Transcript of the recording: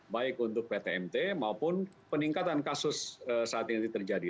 baik untuk ptmt maupun peningkatan kasus saat ini terjadi